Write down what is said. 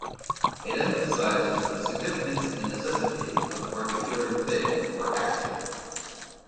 It emphasizes the significance and necessity of the particular thing or action.